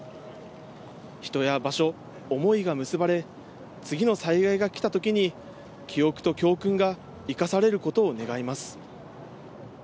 人や場所、思いがむすばれ、次の災害が来た時に記憶と教訓が生かされることを願います。